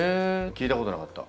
聞いたことなかった。